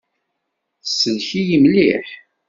Tsellek-iyi mliḥ.